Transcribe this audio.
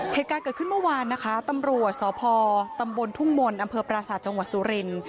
เหตุการณ์เกิดขึ้นเมื่อวานนะคะตำรวจสศพตทุ่งมลอปราศาจงสุรินทร์